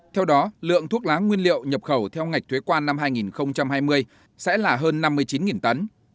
theo đó lượng thuốc lá nguyên liệu nhập khẩu theo ngạch thuế quan năm hai nghìn hai mươi sẽ là hơn năm mươi chín tấn